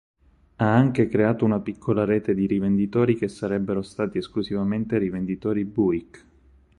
Ha anche creato una piccola rete di rivenditori che sarebbero stati esclusivamente rivenditori Buick.